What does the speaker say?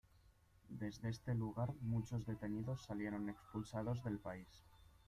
Desde este lugar muchos detenidos salieron expulsados del país.